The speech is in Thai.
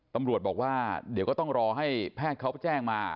ตำรวจบอกว่าเดี๋ยวก็ต้องรอให้แพทย์เขาแจ้งมา